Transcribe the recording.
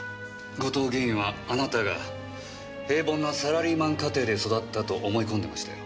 後藤議員はあなたが平凡なサラリーマン家庭で育ったと思い込んでましたよ。